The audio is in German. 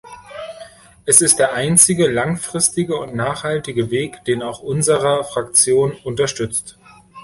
Es ist der einzige langfristige und nachhaltige Weg, den auch unserer Fraktion unterstützt.